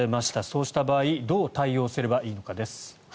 そうした場合どう対応すればいいのかです。